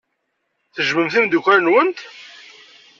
Tejjmemt imeddukal-nwent?